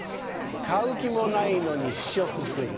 買う気もないのに試食する。